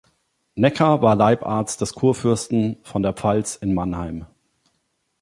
Necker war Leibarzt des Kurfürsten von der Pfalz in Mannheim.